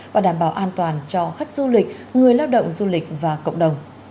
và đảm bảo an toàn cho khách du lịch người lao động du lịch và cộng đồng